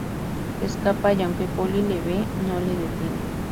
Escapa, y aunque Polly le ve, no le detiene.